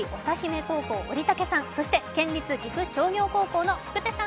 高等学校折竹さん、そして県立岐阜商業高校の福手さん。